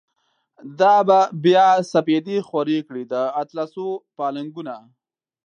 دا به بیا سپیدی خوری کړی، د اطلسو پا لنگونه